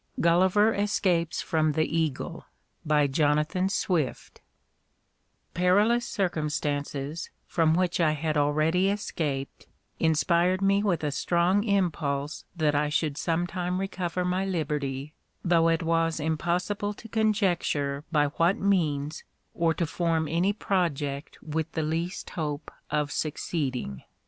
GULLIVER ESCAPES FROM THE EAGLE By Jonathan Swift Perilous circumstances, from which I had already escaped, inspired me with a strong impulse that I should some time recover my liberty, though it was impossible to conjecture by what means, or to form any project with the least hope of succeeding.